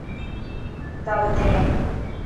ڪتاب اتي رک.